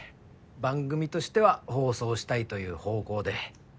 番組としては放送したいという方向で。